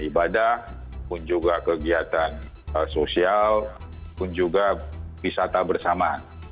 ibadah pun juga kegiatan sosial pun juga wisata bersama